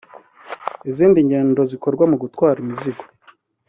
Izi ngendo zikorwa mu gutwara imizigo